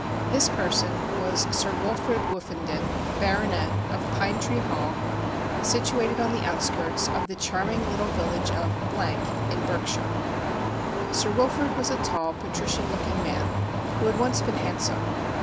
This person was Sir Wilfrid Woofenden, Baronet, of Pine Tree Hall, situated on the outskirts of the charming little village of , in Berk shire. Sir Wilfrid was a tall, patrician looking man, who had once been handsome.